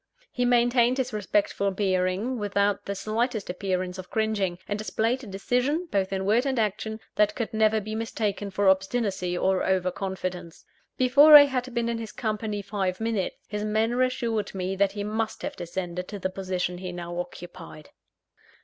He maintained his respectful bearing, without the slightest appearance of cringing; and displayed a decision, both in word and action, that could never be mistaken for obstinacy or over confidence. Before I had been in his company five minutes, his manner assured me that he must have descended to the position he now occupied.